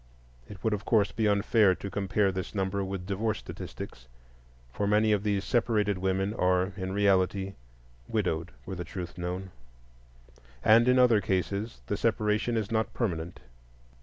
It would of course be unfair to compare this number with divorce statistics, for many of these separated women are in reality widowed, were the truth known, and in other cases the separation is not permanent.